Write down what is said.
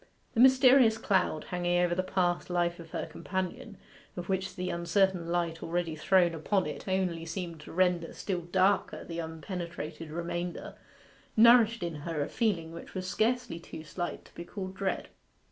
The mysterious cloud hanging over the past life of her companion, of which the uncertain light already thrown upon it only seemed to render still darker the unpenetrated remainder, nourished in her a feeling which was scarcely too slight to be called dread.